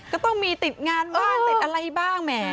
ก็ต้องมีติดงานบ้างติดอะไรบ้างแหม